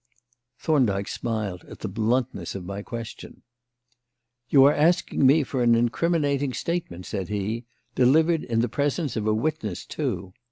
Thorndyke smiled at the bluntness of my question. "You are asking me for an incriminating statement," said he, "delivered in the presence of a witness too.